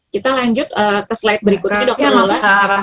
kita lanjut ke slide berikutnya dokter maulana